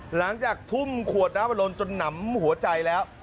หลังจากทุ่มขวดน้ำอารมณ์จนหนำหัวใจแล้ว